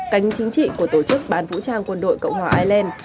cánh chính trị của tổ chức bán vũ trang quân đội cộng hòa ireland